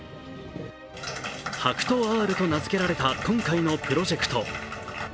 ＨＡＫＵＴＯ−Ｒと名付けられた今回のプロジェクト。